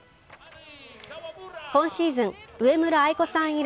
今シーズン上村愛子さん